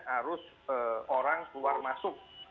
arus orang keluar masuk